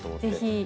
ぜひ。